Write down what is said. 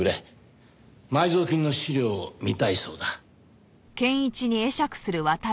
埋蔵金の資料を見たいそうだ。